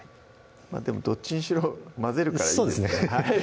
でもどっちにしろ混ぜるからいいんですね